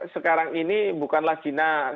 sekarang ini bukanlah cina